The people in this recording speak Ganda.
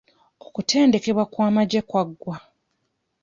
Okutendekebwa kw'amagye kaggwa.